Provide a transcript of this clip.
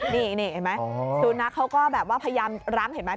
นี่เห็นไหมสุนัขเขาก็แบบว่าพยายามรั้งเห็นไหม